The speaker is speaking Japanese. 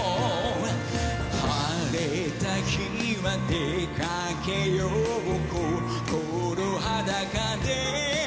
「晴れた日は出かけよう」「こころ裸で」